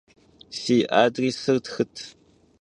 Si adrêsır txıt.